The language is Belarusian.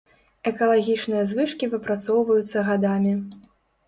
Экалагічныя звычкі выпрацоўваюцца гадамі.